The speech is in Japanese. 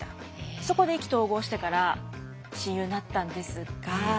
そこで意気投合してから親友になったんですが。